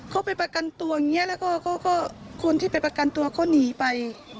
เขาไปประกันตัวอย่างนี้แล้วก็คนที่ไปประกันตัวเขาหนีไป